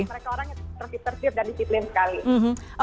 mereka orang yang terfit tersif dan disiplin sekali